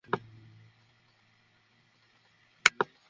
কেউ তাকে দেখে নেয় না, তো আমাদের মতো অবস্থা খারাপ করে দিবে ওর।